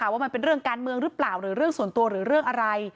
ว่ามันเป็นเรื่องการเมืองหรือเปล่าหรือเรื่องส่วนตัวหรือเรื่องอะไร